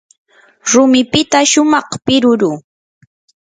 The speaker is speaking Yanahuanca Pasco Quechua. rumipita shumaq piruru.